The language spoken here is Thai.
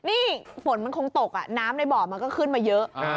นี่ฝนมันคงตกน้ำในบ่อมันก็ขึ้นมาเยอะ